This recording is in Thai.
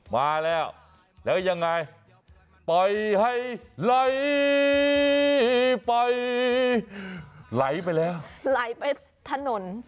มาแล้วแล้วยังไงปล่อยให้ไหลไปไหลไปแล้วไหลไปถนน